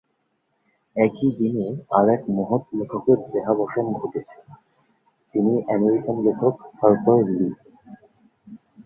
একই দিনে আরেক মহৎ লেখকের দেহাবসান ঘটেছে— তিনি আমেরিকান লেখক হারপার লি।